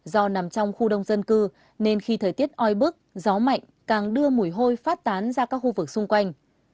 do nằm trong khu đông dân cư nên khi thời tiết oi bức gió mạnh càng đưa mùi hôi phát tán ra các khu vực xung quanh